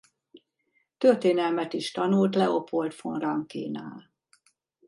Történelmet is tanult Leopold von Rankénál.